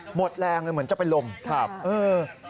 หมดแรงเลยเหมือนจะเป็นลมครับเออ